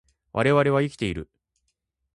我々は生きている